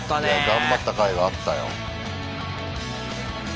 頑張ったかいがあったよ。